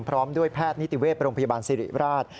พร้อมด้วยแพทย์นิติเวศโรงพยาบาลสิริราช